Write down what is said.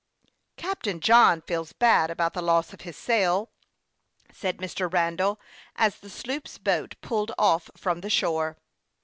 " Captain John feels bad about the loss of his sail," said Mr. Randall, as the sloop's boat pulled off from the shore.